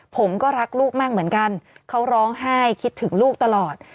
ผมก็รักลูกมากเหมือนกันเขาร้องไห้คิดถึงลูกตลอด